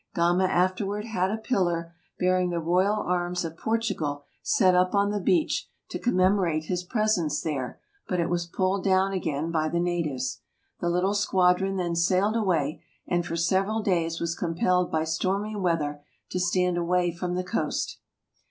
Gama 38 THE EARLY EXPLORERS 39 afterward had a pillar, bearing the royal arms of Portugal, set up on the beach, to commemorate his presence there, but it was pulled down again by the natives. The little squadron then sailed away, and for several days was com pelled by stormy weather to stand away from the coast.